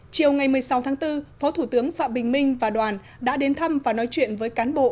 chiều ngày một mươi sáu tháng bốn phó thủ tướng phạm bình minh và đoàn đã đến thăm và nói chuyện với cán bộ